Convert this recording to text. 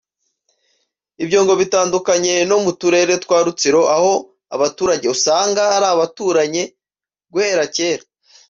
Ibyo ngo bitandukanye no mu turere twa Rutsiro aho abaturage usanga ari abaturanye guhera kera